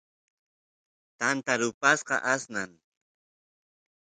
tanta rupasqa aqnan